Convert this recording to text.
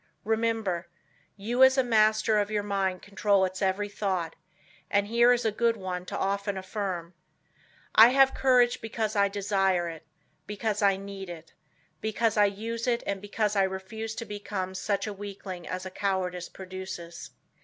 Remember, you as master of your mind control its every thought, and here is a good one to often affirm, "I have courage because I desire it; because I need it; because I use it and because I refuse to become such a weakling as cowardice produces."